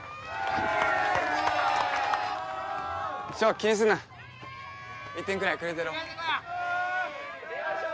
翔気にすんな１点くらいくれてやろうよいしょ！